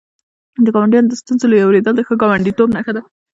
د ګاونډیانو د ستونزو اورېدل د ښه ګاونډیتوب نښه ده.